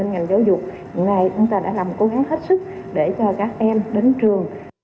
những ngày chúng ta đã làm cố gắng hết sức để cho các em đến trường